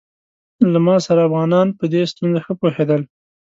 له ما سره افغانان په دې ستونزه ښه پوهېدل.